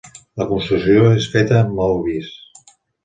La construcció és feta amb maó vist.